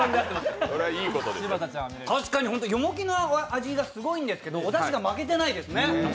確かに、よもぎの味がすごいんですけど、おだしが負けてないですね。